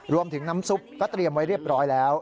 รวมถึงน้ำซุปก็เตรียมไว้เรียบร้อยแล้ว